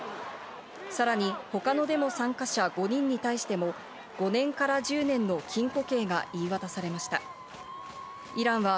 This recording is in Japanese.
さらに他のデモ参加者５人に対しても５年から１０年の禁錮刑が言い渡されました。